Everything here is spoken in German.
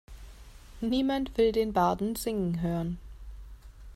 Niemand will den Barden singen hören.